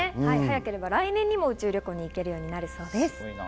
早ければ来年にも宇宙旅行に行けるそうです。